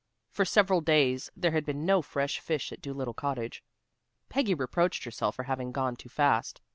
For several days there had been no fresh fish at Dolittle Cottage. Peggy reproached herself for having gone too fast.